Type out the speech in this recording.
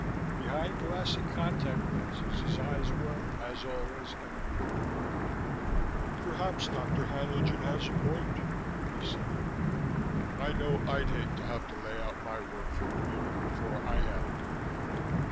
Behind glassy contact lenses his eyes were, as always, unreadable. "Perhaps Dr. Haenlingen has a point," he said. "I know I'd hate to have to lay out my work for the meeting before I had it prepared.